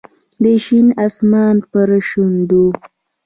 د شین اسمان پر شونډو